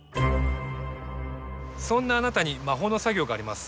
そんなあなたに魔法の作業があります。